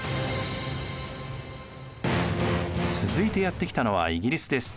続いてやって来たのはイギリスです。